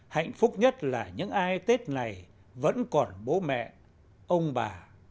hạnh phúc nhất là những ai tết này vẫn còn bố mẹ ông bà